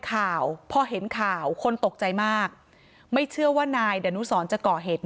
ข่าวพอเห็นข่าวคนตกใจมากไม่เชื่อว่านายดานุสรจะก่อเหตุ